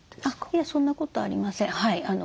いやそんなことありません。